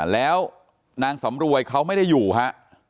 แล้วนางสำรวยเขาไม่ได้อยู่ฮะ